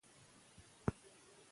هغه باغ چې وکتل شو، شین و.